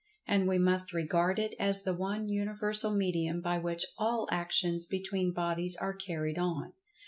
And we must regard it as the one universal medium by which all actions between bodies are carried on.